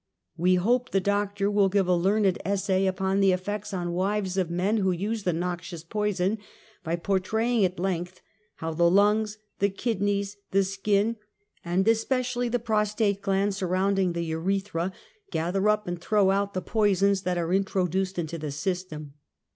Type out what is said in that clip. We hope the Doctor will give a learned essay upon, the effects on wives of men who use the noxious poison by portraying at length how the lungs, the kidneys, the skin, and especiall}^ the prostate gland. SOCIAL EVIL. 79 surrouncliDO' the iiretlira, gather up and throw out the poisons that are introduced into the system.